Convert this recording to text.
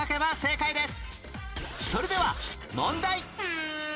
それでは問題